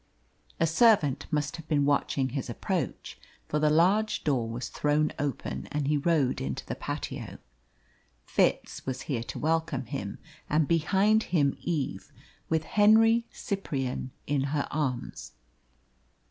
A servant must have been watching his approach, for the large door was thrown open and he rode into the patio. Fitz was here to welcome him; and behind him Eve, with Henry Cyprian in her arms.